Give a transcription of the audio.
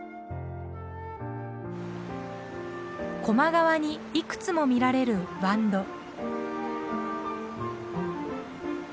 高麗川にいくつも見られるワンド。